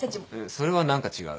それは何か違う。